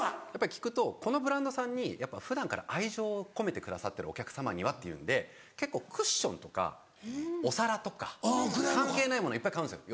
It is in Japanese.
聞くとこのブランドさんに普段から愛情込めてくださってるお客様にはっていうので結構クッションとかお皿とか関係ないものいっぱい買うんですよ